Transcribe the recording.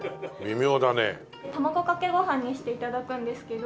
卵かけご飯にして頂くんですけど。